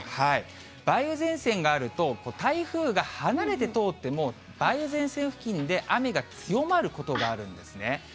梅雨前線があると、台風が離れて通っても、梅雨前線付近で雨が強まることがあるんですね。